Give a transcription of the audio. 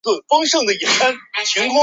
山西乌头为毛茛科乌头属下的一个种。